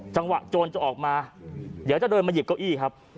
จังหวะโจรจะออกมาเดี๋ยวจะเดินมาหยิบเก้าอี้ครับ